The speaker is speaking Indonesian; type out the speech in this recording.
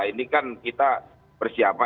ini kan kita bersiap